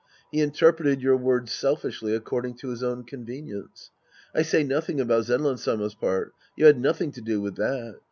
He interpreted your words selfishly accord ing to his own convenience. I say nothing about Zenran Sama's part. You had nothing to do with that.